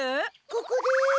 ここです。